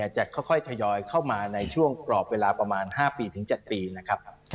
จะค่อยทยอยเข้ามาในช่วงกรอบเวลาประมาณ๕ปีถึง๗ปีนะครับ